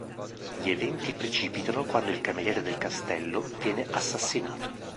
Gli eventi precipitano quando il cameriere del castello viene assassinato.